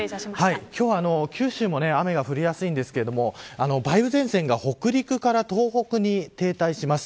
今日は九州も雨が降りやすいんですけど梅雨前線が北陸から東北に停滞します。